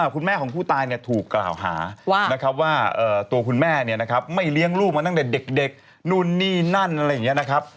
คุณแม่ของผู้ตายถูกกล่าวหานะครับว่าตัวคุณแม่ไม่เลี้ยงลูกมาตั้งแต่เด็กนู่นนี่นั่นอะไรอย่างนี้นะครับ